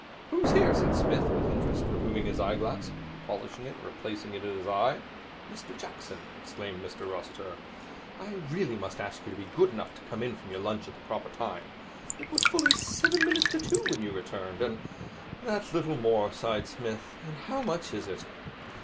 'Who's here?' said Psmith with interest, removing his eye glass, polishing it, and replacing it in his eye. 'Mr Jackson,' exclaimed Mr Rossiter. 'I really must ask you to be good enough to come in from your lunch at the proper time. It was fully seven minutes to two when you returned, and ' 'That little more,' sighed Psmith, 'and how much is it!'